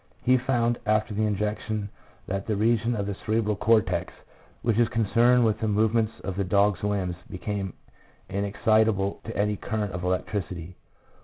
He found after the injection that the region of the cerebral cortex, which is concerned with the move ments of the dog's limbs, became inexcitable to a current of electricity.